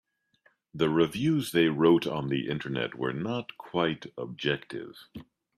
The reviews they wrote on the Internet were not quite objective.